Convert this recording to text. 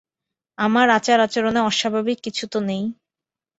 আমার আচার-আচরণে অস্বাভাবিক কিছু তো নেই।